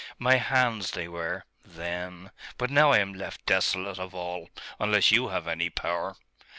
My hands they were then.... But now I am left desolate of all: unless you have any power.